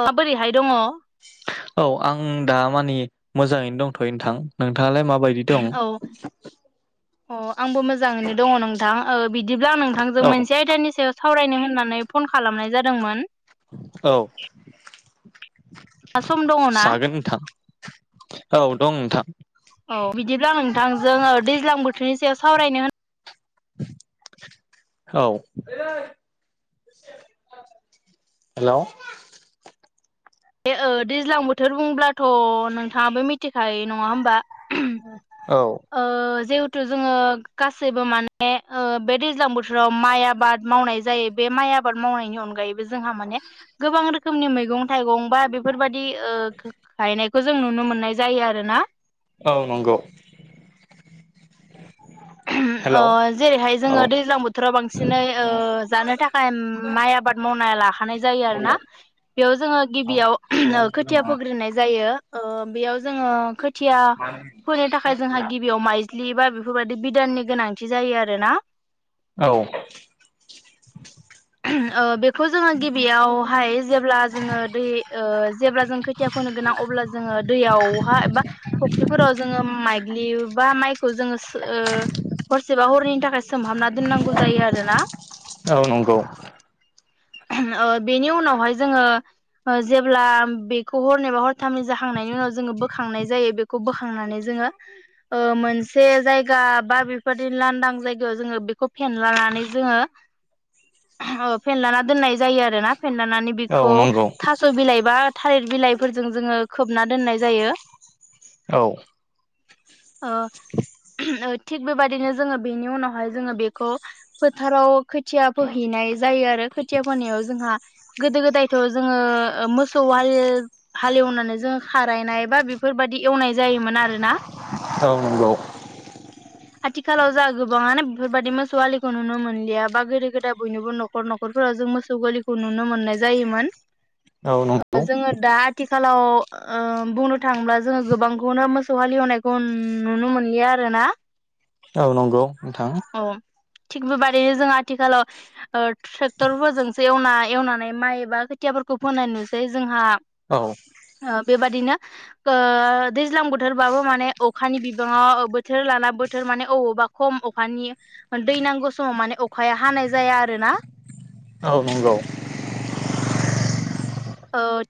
ओ बोरैहाय दङ'? औ आं दा मानि मोजाङैनो दंथ'यो नोंथां। नोंथाङालाय माबायदि दं? अ आंबो मोजाङैनो दङ' नोंथां ओ बिदिब्ला आं नोंथांजों औ मोनसे आयदानि सायाव सावरायनो होननानै फन खालामनाय जादोंमोन। औ दा सम दङ' ना? जागोन नोंथां औ दं नोंथां। औ बिदिब्ला नोंथांजों ओ दैज्लां बोथोरनि सायाव सावरायनो होन औ [inaudible] हेलौ बे ओ दैज्लां बोथोर बुंब्लाथ' नोंथाङाबो मिथिखायो नङा होमबा? ओ ओ जिहेथु जोङो गासैबो माने ओ बे दैज्लां बो फ्राव माइ आबाद मावनाय जायो बे माइ आबाद मावनायनि अनगायै जोंहा माने गोबां रोखोमनि मैगं थाइगं बा बेफोरबाददि ओ गायनायखौ जों नुनो मोननाय जायो आरो ना औ नंगौ [inaudible] अ जेरैहाय औ जोङो दैज्लां बोथोराव बांसिनै ओ जानो थाखाय माइ आबाद मावनाय लाखानाय जायो आरोना बेयाव जोङो गिबियाव खोथिया फग्रिनाय जायो ओ बेयाव जोङो खोथिया फोनो थाखाय जोंहा गिबियाव माइज्लि बा बेफोरबायदि बिदाननि गोनांथि जायो आरोना औ ओ बेखौ जोङो गिबियावहाय जेब्ला जोङो दै ओ जेब्ला जों खोथिया फोनो गोनां अब्ला जोङो दैयावहा एबा फुख्रिफोराव जोङो माइ ग्लि बा माइखौ जोङो ओ हरसेबा हरनैनि थाखाय सोमहाबना दोननांगौ जायो आरोना औ नंगौ ओ बेनि उनावहाय जोङो जेब्ला बेखौ हर एबा हरथामै जाखांनायनि उनाव जोङो बोखांनाय जायो बेखौ बोखांनानै जों ङो ओ मोनसे जायगा बा बेफोरदि लांदां जायगायाव जोङो बेखौ फेनला नानै जोङो [inaudible] अ फेनलाना दोननाय जायो आरोना फेनलानानै औ बेखौ नंगौ थास' बिलाइ बा थालिर बिलाइफोरजों जोङो खोबना दोननाय जायो। औ ओ ओ थिग बेबायदिनो जोङो बेनि उनावहाय जोङो बेखौ फोथाराव खो बोहैनाय जायो आरो खोथिया फनायाव जोंहा गोदो गोदायथ' जोङो मोसौ हालेवनानै जोङो खारायनाय बा बेफोरबायदि एवनाय जायोमोन आरोना औ नंगौ आथिखालाव जोंहा गोबाङानो बेफोरबायदि मोसौआलिखौ नुनो मोनलिया बा गोदो गोदा बयनोबो न'खर न'खरफोराव जों मोसौ गोरलिखौ नुनो मोननाय जायोमोन औ नंगौ जोङो दा आथिखाल आव ओ बुंनो थाङोब्ला जोङो गोबांखौनो मोसौ हाललिएवनायखौ नुनो मोनलिया आरो ना [unintelligible] औ नंगौ नोंथां थिग बेबादिनो जों आथिखालाव ट्रेक्टरफोरजोंसो एवना एवनानै माइ एबा खुथियाफोरखौ फोननाय नुसै जोंहा औ ओ बेबादिनो ओ दैज्लां बोथोरबाबो माने अखानि बिबाङाव बोथोर लाना बोथोर माने अबावबा ख म अखानि दै नांगौ समाव माने अखाया हानाय जाया आरो ना औ नंगौ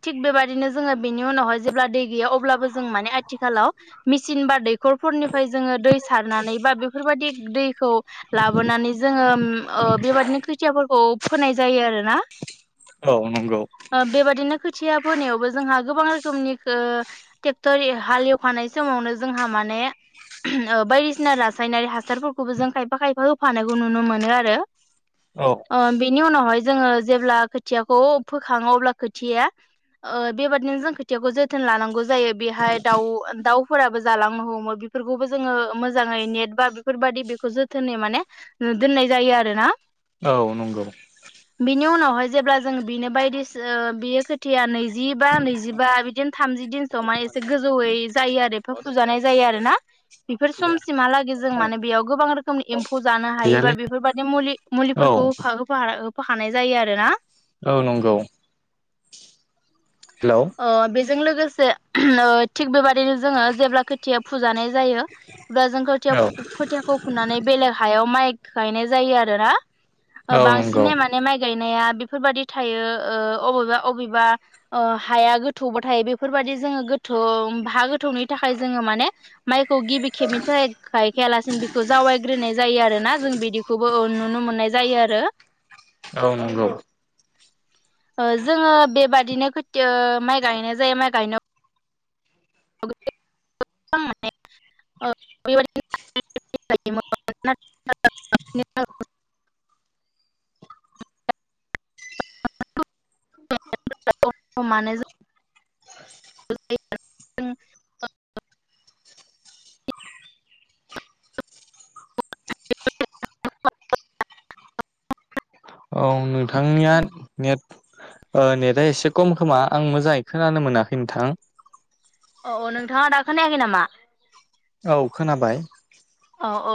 थिग बेबादिनो जोङो बिनि उनावहाय जेब्ला दै गैया अब्लाबो जों माने आथिखालाव मिसिन बा दैखरफोरनिफ्राय जोङो दै सारनानै बा बेफोरबायदि दैखौ लाबोनानै जोङो ओ बेबादिनो खोथियाफोरखौ फोनाय जायो आरोना औ नंगौ बेबायादिनो खोथिया फोनायावबो जोंहा गोबां रोखोमनि ओ टेक्टर हाल एवखानाय समावनो जोंहा माने ओ बायदिसिना रासायनारि हासारफोरखौबो जों खायफा खायफा होफानायखौ नुनो मोनो आरो औ ओ बेनि उनावहाय जोङो जेब्ला खोथियाखौ फोखाङो अब्ला खोथिया ओ बेबादिनो जों खोथियाखौ जोथोन लानांगौ जायो बेहाय दाउ दाउफोराबो जालांनो हमो बेफोरखौबो जोङो मोजाङै नेट बा बेफोरबायादि बेखौ जोथोनै माने दोननाय जायो आरो ना औ नंगौ बिनि उनावहाय जेब्ला जों बिनो बायदिस ओ बियो खोथिया नैजिबा नैजिबा बिदिनो थामजि दिनसो माने एसे गोजौै यै जायो आरो ए फुजानाय जायो आरोना बेफोर समसिमहालागै जों माने बेयाव गोबां रोखोमनि एमफ फौ जानो हायोबा गैयालै बेफोरबादि मुलि औ मुलिफोरखौ होफा होफा होफाहानाय जायो आरो ना। औ नंगौ। हेलौ अ बेजों लोगोस से नो थिग बेबादिनो जोङो जेब्ला खोथिया फुजानाय जायो अब्ला जों खोथिया औ फोथियाखौ खुननानै बेलेग हायाव माइ गायनाय जायो आरो ना। ओ औ नंगौ बांसिन ए माने माइ गायनाया बिफोरबादि थायो ओ अबेबा अबिबा ओ हाया गोथौबाथाय बेफोरबदि जोङो गोथौ हा गोथौनि थाखाय जोङो माने माइखौ गिबि खेब मि थाखाय खेयालासिनो बिखौ जावायग्रोनाय जायो आरोना जों बिदिखौबो नुनो मोननाय जायो आरो। औ नंगौ। ओ जोङो बेबादिनो खोतथियो माइ गायनाय जायो माइ गायनो [unintelligible] [unintelligible] [unintelligible] [unintelligible] [unintelligible] औ नोंथांनिया नेट ओ नेटआ एसे खम खोमा आं मोजाङै खोनानो मोनाखै नोंथां। अ अ नोंथाङा दा खोनायाखै नामा? औ खोनाबाय। औ ओ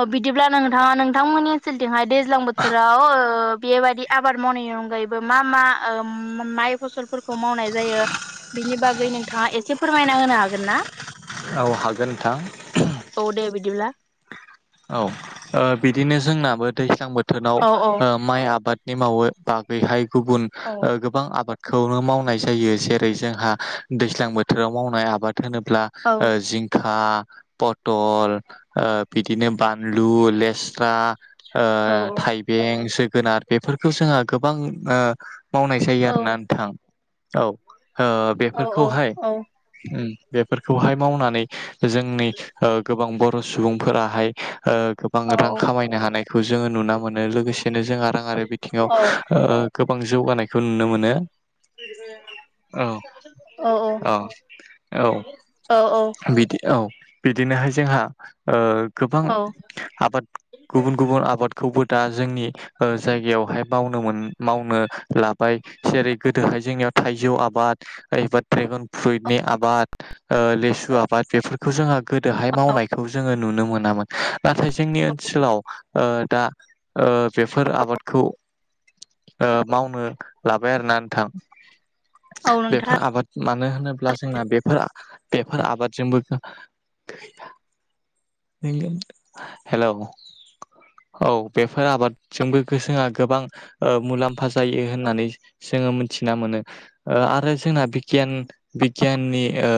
अ बिदिब्ला नोंथाङा नोंथांमोननि ओनसोलथिंहाय दैज्लां बोथोराव ओ बेबायदि आबाद मावनायनि अनगायैबो मा मा माइ फसलफोरखौ मावनाय जायो। बिनि बागै नोंथाङा एसे फोरमायना होनो हागोन ना? औ हागोन नोंथां। औ दे बिदिब्ला बो दैज्लां बोथोराव औ औ ओ माइ आबादनि मावो बागैहाय गुबुन औ ओ गोबां आबाद खौनो मावनाय जायो जेरै जोंहा दैज्लां बोथोराव मावनाय आबाद थोनोब्ला औ ओ जिंखा पथल ओ बि दिनो बानलु लेस्रा औ ओ थायबें जोगोनार बेफोरखौ जोंहा गोबां ओ मावनाय जायो औ आरोना नोंथां औ ओ औ औ बेफोरखौहाय औ औ बेफोरखौहाय मावनानै जोंनि ओ गोबां बर' सुबुंफोराहाय ओ गोबां औ रां खामायनो हानायखौ जोङो नुना मोनो लोगोसेनो जोंहा रांआरि औ बिथिङाव ओ गोबां जौगानायखौ नुनो मोनो। औ अह अह औ औ बिदि औ बिदिनोहाय जोंहा ओ गोबां औ आबाद गुबुन गुबुन आबादखौबोद दा जोंनि ओ जायगायावहायनो मावनो मोन मावनो लाब बाय सेरै गोदोहाय जोंनियाव थाइजौ आबाद एबा ड्रेगन फ्रुइटनि आबाद ओ लेसु आबाद बेफोरखौ जोंहा गोदोहाय मावनायखौ जोङो नुनो मोनामोन नाथाय जोंनि ओनसोलाव ओ दा ओ बेफोर आबादखौ ओ मावनो लाबाय आरोना नोंथां औ नोंथां बेफोर आबाद मा नो होनोब्ला जोंना बेफोर बेफोर आबादजोंबो गैया नैलै हेलौ औ बेफोर आबादजोंबो गो जोआ गोबां ओ मुलाम्फा जायो होननानै जोङो मिथिना मोनो ओ आरो जोंना बिगियान बिगियाननि ओ